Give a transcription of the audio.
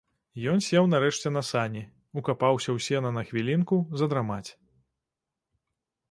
Ён сеў нарэшце на сані, укапаўся ў сена на хвілінку задрамаць.